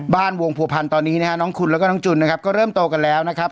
วงผัวพันธ์ตอนนี้นะฮะน้องคุณแล้วก็น้องจุนนะครับก็เริ่มโตกันแล้วนะครับ